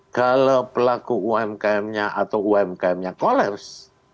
kalau pelaku umkmnya atau umkmnya kolaps